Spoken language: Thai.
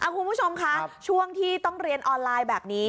คุณผู้ชมคะช่วงที่ต้องเรียนออนไลน์แบบนี้